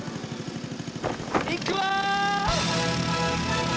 いくわ！